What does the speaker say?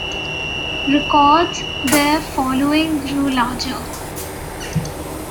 Records, their following grew larger.